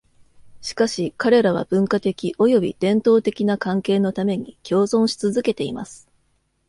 しかし、彼らは文化的および伝統的な関係のために共存し続けています。